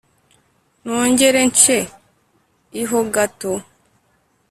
nongere ncye l ho gato